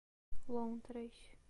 Lontras